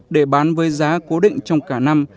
để bán với giá cố định trong cả năm